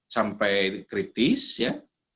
sampai kritis ya